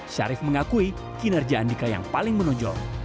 syarif mengakui kinerja andika yang paling menonjol